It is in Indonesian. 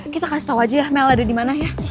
kita kasih tau aja ya mel ada dimana ya